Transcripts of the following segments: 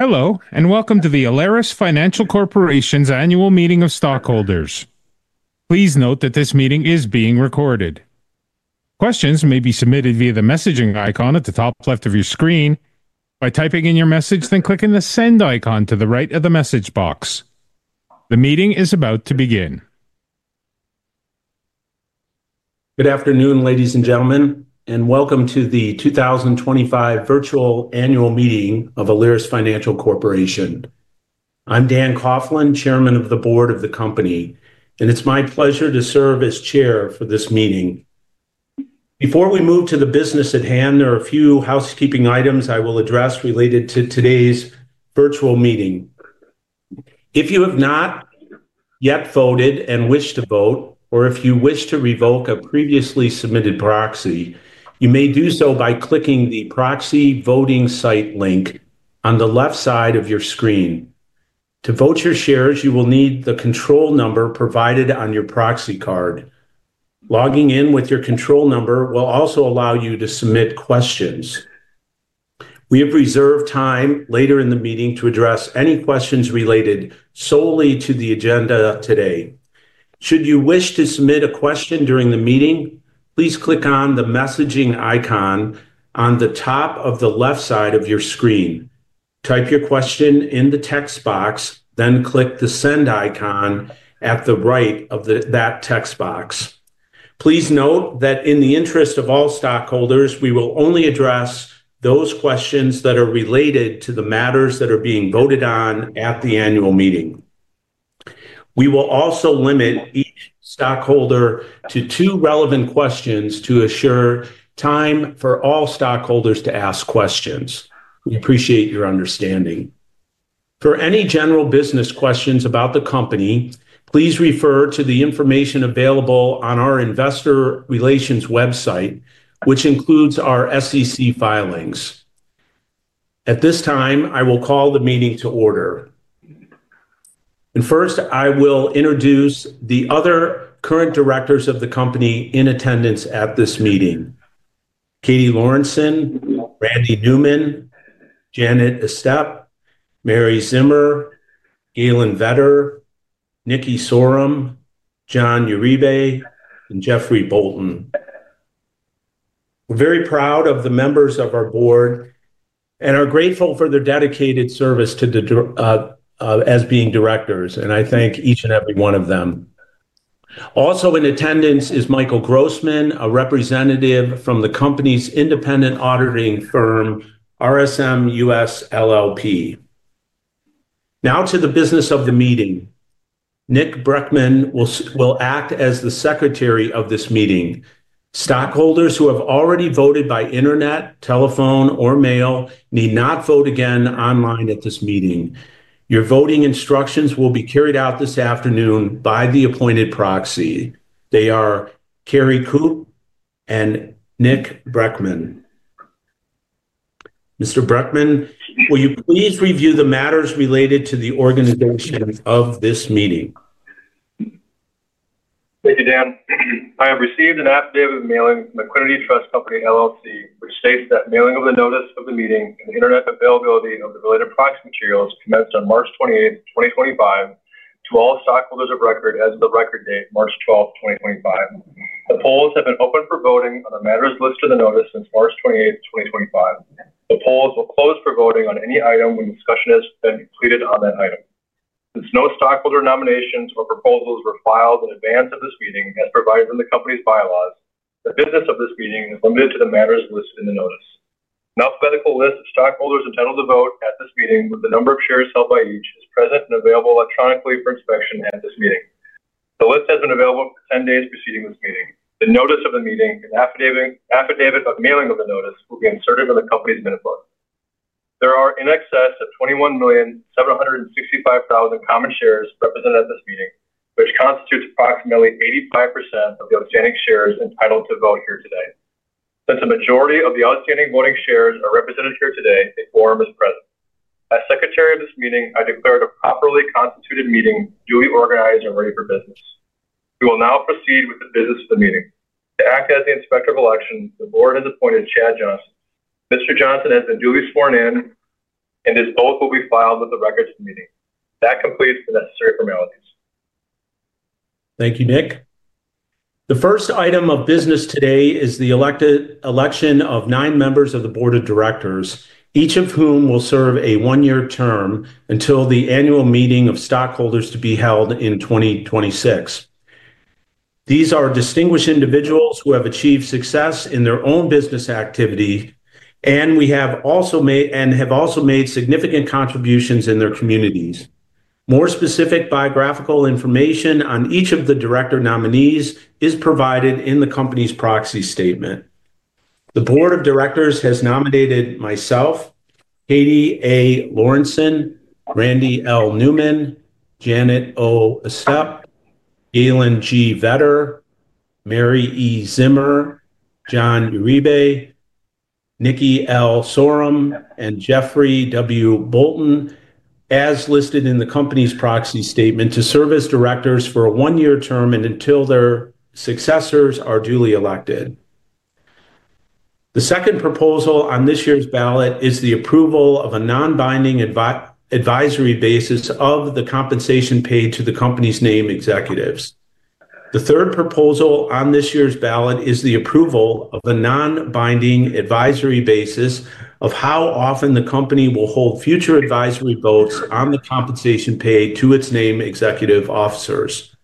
Hello, and welcome to the Alerus Financial Corporation's Annual Meeting of Stockholders. Please note that this meeting is being recorded. Questions may be submitted via the messaging icon at the top left of your screen. By typing in your message, then clicking the send icon to the right of the message box. The meeting is about to begin. Good afternoon, ladies and gentlemen, and welcome to the 2025 Virtual Annual Meeting of Alerus Financial Corporation. I'm Dan Coughlin, Chairman of the Board of the Company, and it's my pleasure to serve as Chair for this meeting. Before we move to the business at hand, there are a few housekeeping items I will address related to today's virtual meeting. If you have not yet voted and wish to vote, or if you wish to revoke a previously submitted proxy, you may do so by clicking the Proxy Voting Site link on the left side of your screen. To vote your shares, you will need the control number provided on your proxy card. Logging in with your control number will also allow you to submit questions. We have reserved time later in the meeting to address any questions related solely to the agenda today. Should you wish to submit a question during the meeting, please click on the messaging icon on the top of the left side of your screen. Type your question in the text box, then click the send icon at the right of that text box. Please note that in the interest of all stockholders, we will only address those questions that are related to the matters that are being voted on at the annual meeting. We will also limit each stockholder to two relevant questions to assure time for all stockholders to ask questions. We appreciate your understanding. For any general business questions about the company, please refer to the information available on our Investor Relations website, which includes our SEC filings. At this time, I will call the meeting to order. First, I will introduce the other current directors of the company in attendance at this meeting: Katie Lorenson, Randy Newman, Janet Estep, Mary Zimmer, Galen Vedder, Nikki Sorum, John Uribe, and Jeffrey Bolton. We're very proud of the members of our board and are grateful for their dedicated service as being directors, and I thank each and every one of them. Also in attendance is Michael Grossman, a representative from the company's independent auditing firm, RSM US LLP. Now to the business of the meeting. Nick Breckman will act as the secretary of this meeting. Stockholders who have already voted by internet, telephone, or mail need not vote again online at this meeting. Your voting instructions will be carried out this afternoon by the appointed proxy. They are Carrie Coup and Nick Breckman. Mr. Breckman, will you please review the matters related to the organization of this meeting? Thank you, Dan. I have received an affidavit of mailing from Equiniti Trust Company LLC, which states that mailing of the notice of the meeting and the internet availability of the related proxy materials commenced on March 28, 2025, to all stockholders of record as of the record date, March 12, 2025. The polls have been open for voting on the matters listed in the notice since March 28, 2025. The polls will close for voting on any item when discussion has been completed on that item. Since no stockholder nominations or proposals were filed in advance of this meeting, as provided in the company's bylaws, the business of this meeting is limited to the matters listed in the notice. An alphabetical list of stockholders intended to vote at this meeting, with the number of shares held by each, is present and available electronically for inspection at this meeting. The list has been available for 10 days preceding this meeting. The notice of the meeting and affidavit of mailing of the notice will be inserted in the company's minute book. There are in excess of 21,765,000 common shares represented at this meeting, which constitutes approximately 85% of the outstanding shares entitled to vote here today. Since a majority of the outstanding voting shares are represented here today, a quorum is present. As Secretary of this meeting, I declare the properly constituted meeting duly organized and ready for business. We will now proceed with the business of the meeting. To act as the inspector of elections, the board has appointed Chad Johnson. Mr. Johnson has been duly sworn in, and his oath will be filed with the records of the meeting. That completes the necessary formalities. Thank you, Nick. The first item of business today is the election of nine members of the board of directors, each of whom will serve a one-year term until the annual meeting of stockholders to be held in 2026. These are distinguished individuals who have achieved success in their own business activity and have also made significant contributions in their communities. More specific biographical information on each of the director nominees is provided in the company's proxy statement. The board of directors has nominated myself, Katie A. Lorenson, Randy L. Newman, Janet O. Estep, Galen G. Vedder, Mary E. Zimmer, John Uribe, Nikki L. Sorum, and Jeffrey W. Bolton, as listed in the company's proxy statement, to serve as directors for a one-year term and until their successors are duly elected. The second proposal on this year's ballot is the approval of a non-binding advisory basis of the compensation paid to the company's named executives. The third proposal on this year's ballot is the approval of a non-binding advisory basis of how often the company will hold future advisory votes on the compensation paid to its named executive officers.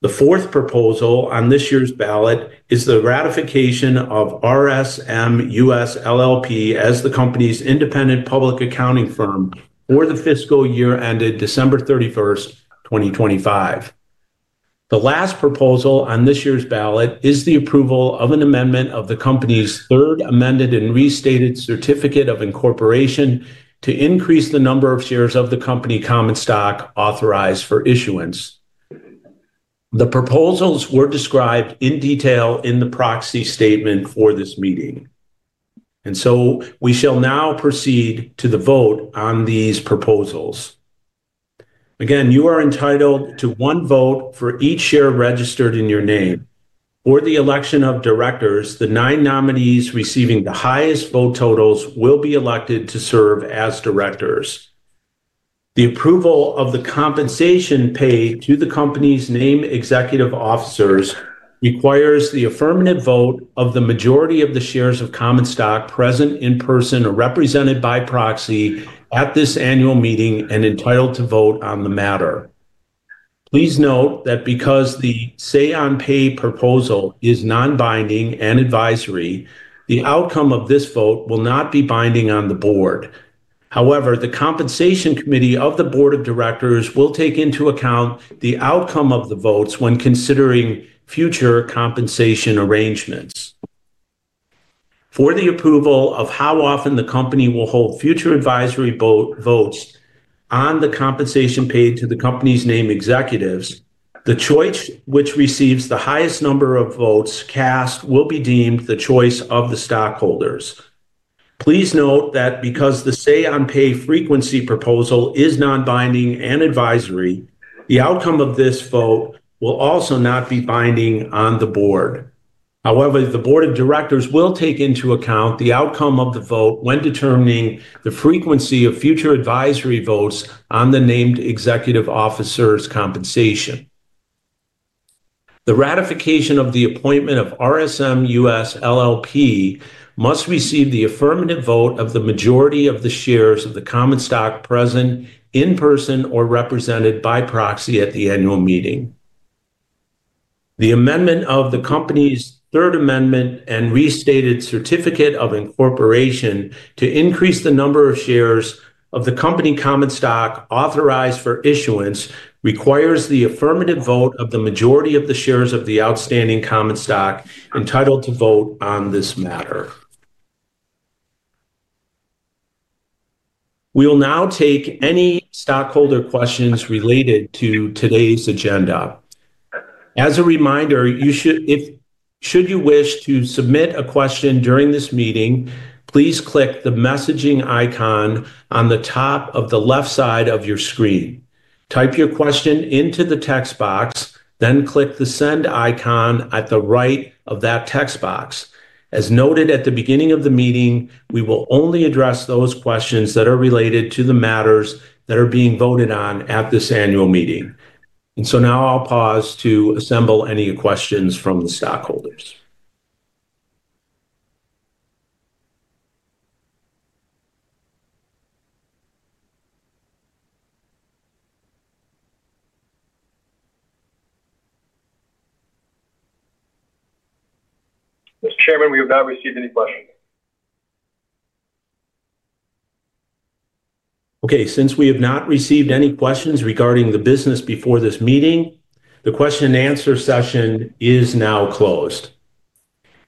The fourth proposal on this year's ballot is the ratification of RSM US LLP as the company's independent public accounting firm for the fiscal year ended December 31, 2025. The last proposal on this year's ballot is the approval of an amendment of the company's third amended and restated certificate of incorporation to increase the number of shares of the company common stock authorized for issuance. The proposals were described in detail in the proxy statement for this meeting. We shall now proceed to the vote on these proposals. Again, you are entitled to one vote for each share registered in your name. For the election of directors, the nine nominees receiving the highest vote totals will be elected to serve as directors. The approval of the compensation paid to the company's named executive officers requires the affirmative vote of the majority of the shares of common stock present in person or represented by proxy at this annual meeting and entitled to vote on the matter. Please note that because the say-on-pay proposal is non-binding and advisory, the outcome of this vote will not be binding on the board. However, the compensation committee of the board of directors will take into account the outcome of the votes when considering future compensation arrangements. For the approval of how often the company will hold future advisory votes on the compensation paid to the company's named executives, the choice which receives the highest number of votes cast will be deemed the choice of the stockholders. Please note that because the say-on-pay frequency proposal is non-binding and advisory, the outcome of this vote will also not be binding on the board. However, the board of directors will take into account the outcome of the vote when determining the frequency of future advisory votes on the named executive officers' compensation. The ratification of the appointment of RSM US LLP must receive the affirmative vote of the majority of the shares of the common stock present in person or represented by proxy at the annual meeting. The amendment of the company's third amendment and restated certificate of incorporation to increase the number of shares of the company common stock authorized for issuance requires the affirmative vote of the majority of the shares of the outstanding common stock entitled to vote on this matter. We will now take any stockholder questions related to today's agenda. As a reminder, if you wish to submit a question during this meeting, please click the messaging icon on the top of the left side of your screen. Type your question into the text box, then click the send icon at the right of that text box. As noted at the beginning of the meeting, we will only address those questions that are related to the matters that are being voted on at this annual meeting. I will now pause to assemble any questions from the stockholders. Mr. Chairman, we have not received any questions. Okay. Since we have not received any questions regarding the business before this meeting, the question-and-answer session is now closed.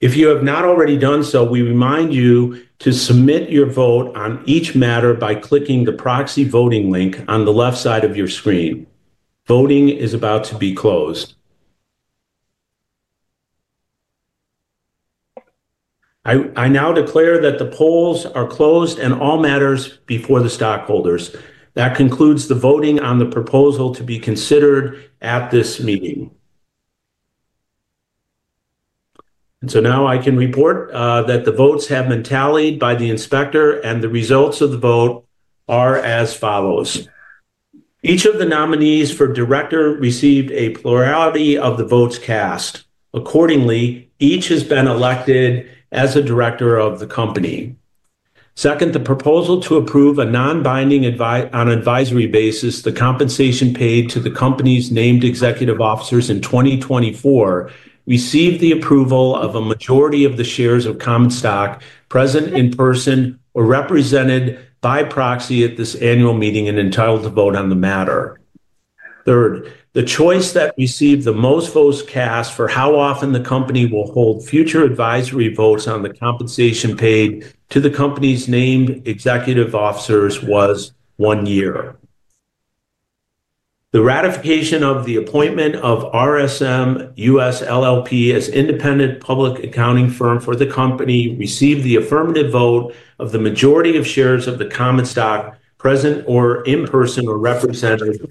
If you have not already done so, we remind you to submit your vote on each matter by clicking the proxy voting link on the left side of your screen. Voting is about to be closed. I now declare that the polls are closed and all matters before the stockholders. That concludes the voting on the proposal to be considered at this meeting. I can report that the votes have been tallied by the inspector, and the results of the vote are as follows. Each of the nominees for director received a plurality of the votes cast. Accordingly, each has been elected as a director of the company. Second, the proposal to approve, on a non-binding advisory basis, the compensation paid to the company's named executive officers in 2024 received the approval of a majority of the shares of common stock present in person or represented by proxy at this annual meeting and entitled to vote on the matter. Third, the choice that received the most votes cast for how often the company will hold future advisory votes on the compensation paid to the company's named executive officers was one year. The ratification of the appointment of RSM US LLP as independent public accounting firm for the company received the affirmative vote of the majority of shares of the common stock present in person or represented by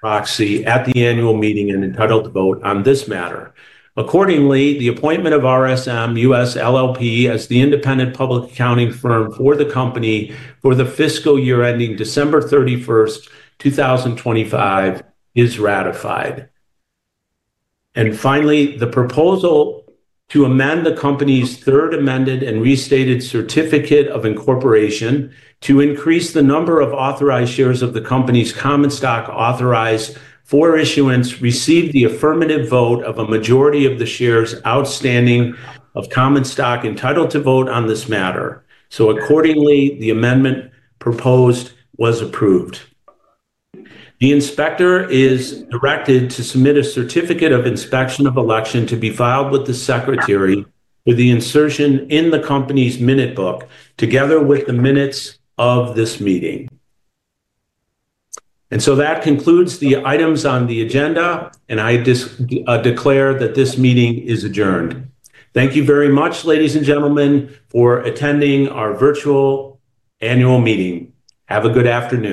proxy at the annual meeting and entitled to vote on this matter. Accordingly, the appointment of RSM US LLP as the independent public accounting firm for the company for the fiscal year ending December 31, 2025, is ratified. Finally, the proposal to amend the company's third amended and restated certificate of incorporation to increase the number of authorized shares of the company's common stock authorized for issuance received the affirmative vote of a majority of the shares outstanding of common stock entitled to vote on this matter. Accordingly, the amendment proposed was approved. The inspector is directed to submit a certificate of inspection of election to be filed with the secretary with the insertion in the company's minute book together with the minutes of this meeting. That concludes the items on the agenda, and I declare that this meeting is adjourned. Thank you very much, ladies and gentlemen, for attending our virtual annual meeting. Have a good afternoon.